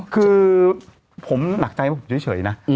คือผมหนักใจว่าผมเฉยนะ